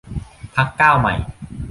พรรคก้าวใหม่